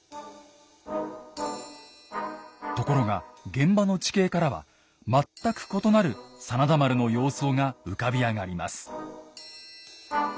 ところが現場の地形からは全く異なる真田丸の様相が浮かび上がります。